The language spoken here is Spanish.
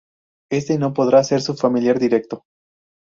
Éste no podrá ser su familiar directo.